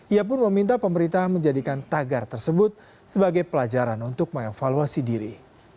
ia pun meminta pemerintah menjadikan tagar tersebut sebagai pelajaran untuk mengevaluasi diri